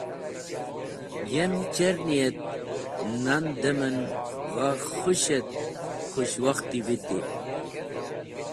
Yem cherni et yem nan dem en gha khũsh et khũshwakht viti.